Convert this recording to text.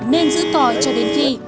nên giữ còi cho đến khi